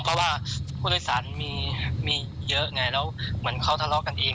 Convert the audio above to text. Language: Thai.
เพราะว่าผู้โดยสารมีเยอะไงแล้วเหมือนเขาทะเลาะกันเอง